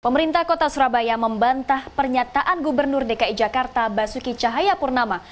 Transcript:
pemerintah kota surabaya membantah pernyataan gubernur dki jakarta basuki cahayapurnama